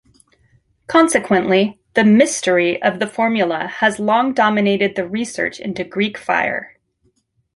Consequently, the "mystery" of the formula has long dominated the research into Greek fire.